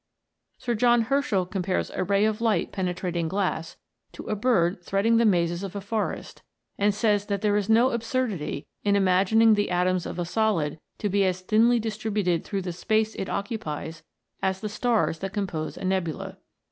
Sir John Herschel compares a ray of light pene trating glass, to a bird threading the mazes of a forest ; and says that there is no absurdity in imagi ning the atoms of a solid to be as thinly distributed through the space it occupies as the stars that com pose a nebula.